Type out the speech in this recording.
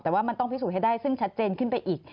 แต่ว่ามันต้องพิสูจน์ให้ได้ซึ่งชัดเจนขึ้นไปอีก